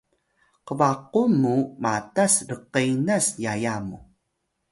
qbaqun mu matas rqenas yaya mu